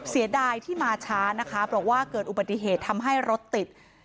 เสียดายที่มาช้านะคะบอกว่าเกิดอุบัติเหตุทำให้รถติด